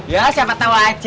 ya siapa tau aja